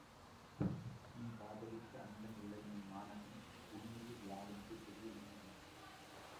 நீ காதலித்த அந்தண இளைஞன் மாணகன், உண்மையில் யார் என்று தெரியுமோ உனக்கு?